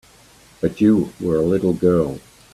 But you were a little girl.